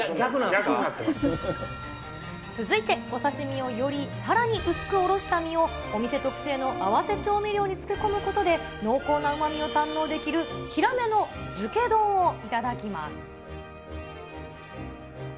続いて、お刺身をよりさらに薄くおろした身をお店特製の合わせ調味料に漬け込むことで、濃厚なうまみを堪能できるヒラメの漬け丼を頂きます。